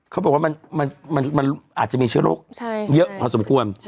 เขาบอกว่ามันอาจจะมีเชื้อโรคเยอะพอสมควร